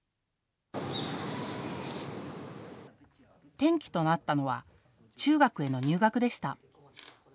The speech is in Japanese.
転機となったのは中学への入学でした。